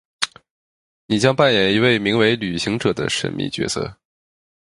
你将扮演一位名为「旅行者」的神秘角色。